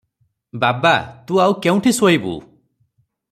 "ବାବା, ତୁ ଆଉ କେଉଁଠି ଶୋଇବୁ?